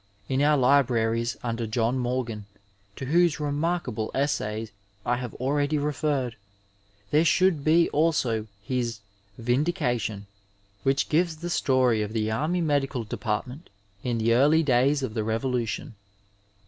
In our libraries under John Morgan, to whose remark able essay I have already referred, there should be ako his Vifidication, which gives the story of the Army Medical Department in the early days of the Revolution.